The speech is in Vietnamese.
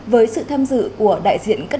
với sự tham dự của đại diện các đơn vị